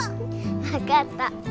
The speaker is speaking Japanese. わかった。